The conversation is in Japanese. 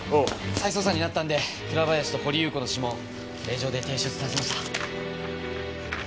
再捜査になったんで倉林と掘祐子の指紋令状で提出させました。